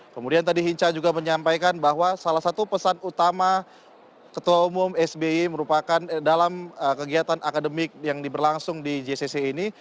kemudian tadi hinca juga menyampaikan bahwa salah satu pesan utama ketua umum sby merupakan dalam kegiatan akademik yang diberlangsung di jcc ini